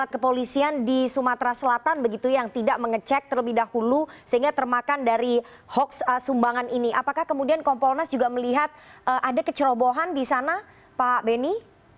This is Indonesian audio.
kalau mengacu saya tidak akan terjadi masalah ini